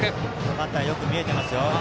バッターよく見えていますよ。